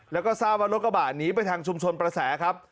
แล้วก็ทราบว่ารถกระบาดหนีไปทางชุมชนประแสครับ